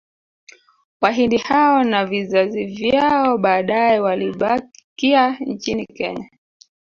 Wahindi hao na vizazi vyao baadae walibakia nchini Kenya